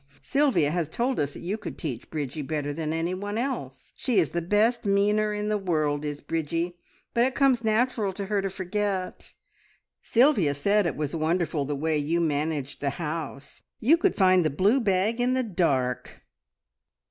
Sylvia has told us that you could teach Bridgie better than anyone else. She is the best meaner in the world, is Bridgie, but it comes natural to her to forget. Sylvia said it was wonderful the way you managed the house. You could find the blue bag in the dark!"